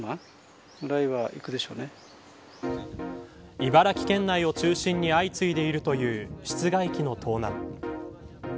茨城県内を中心に相次いでいるという室外機の盗難。